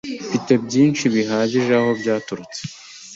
Mfite byinshi bihagije aho byaturutse.